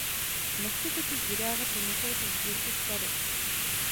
Nechce totiž vydávat jen jakési sbírky skladeb.